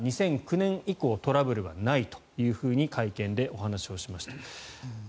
２００９年以降トラブルがないと会見でお話をしました。